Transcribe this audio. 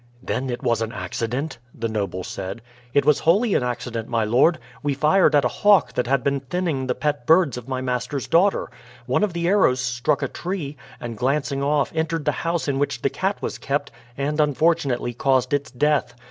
"Then it was an accident?" the noble said. "It was wholly an accident, my lord. We fired at a hawk that had been thinning the pet birds of my master's daughter. One of the arrows struck a tree, and glancing off entered the house in which the cat was kept and unfortunately caused its death.